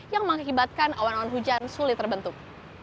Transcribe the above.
yang mengakibatkan awan awan hujan sulit terbentuk